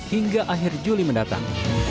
hingga akhir juli mendatang